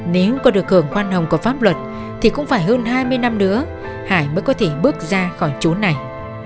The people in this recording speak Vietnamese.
nếu có được hưởng khoan hồng của pháp luật thì cũng phải hơn hai mươi năm nữa hải mới có thể bước ra khỏi trốn này